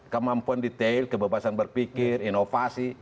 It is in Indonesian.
kemampuan detail kebebasan berpikir inovasi